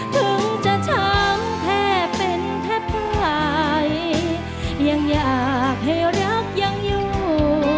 ถึงจะช้ำแทบเป็นแทบตายยังอยากให้รักยังอยู่